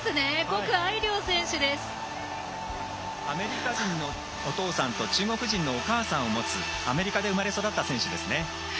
アメリカ人のお父さんと中国人のお母さんを持つアメリカで生まれ育った選手です。